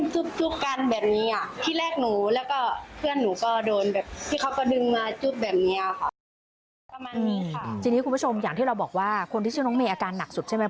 จริงคุณผู้ชมอย่างที่เราบอกว่าคนที่ชื่อน้องเมย์อาการหนักสุดใช่ไหม